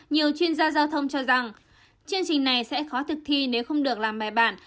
nhiều chuyên gia giao thông cho rằng chương trình này sẽ khó thực thi nếu không được làm bài bản